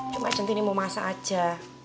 cuma centini mau masak aja